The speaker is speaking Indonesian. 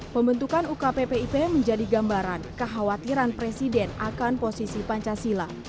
pembentukan ukppip menjadi gambaran kekhawatiran presiden akan posisi pancasila